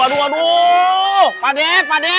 pak deh pak deh